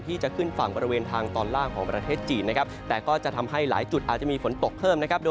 ที่จะขึ้นฝั่งบริเวณทางตอนล่างของประเทศจีนนะครับ